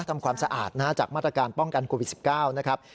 ทำความสะอาดจากมาตรการป้องกันโควิด๑๙นะครับ